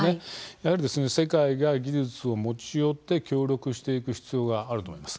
やはり世界が技術を持ち寄って協力していく必要があると思います。